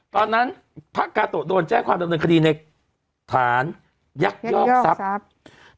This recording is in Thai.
พระกาโตะโดนแจ้งความดำเนินคดีในฐานยักยอกทรัพย์